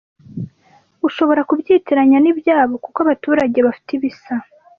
ushobora kubyitiranya ni byabo kuko abaturage bafite ibisa